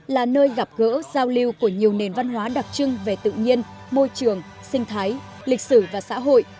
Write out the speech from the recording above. là nơi gặp gỡ giao lưu của nhiều nền văn hóa đặc trưng về tự nhiên môi trường sinh thái lịch sử và xã hội